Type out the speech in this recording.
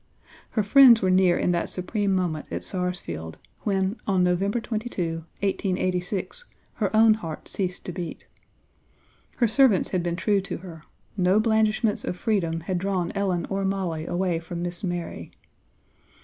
Her friends were near in that supreme moment at Sarsfield, when, on November 22, 1886, her own heart ceased to beat. Her servants had been true to her; no blandishments of freedom had drawn Ellen or Molly away from 'Miss Mary.'